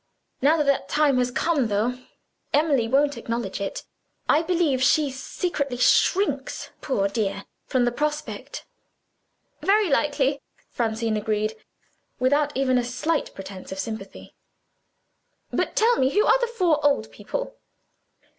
Now that the time has come (though Emily won't acknowledge it), I believe she secretly shrinks, poor dear, from the prospect." "Very likely," Francine agreed without even a pretense of sympathy. "But tell me, who are the four old people?"